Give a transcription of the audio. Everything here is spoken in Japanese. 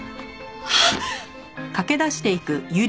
あっ！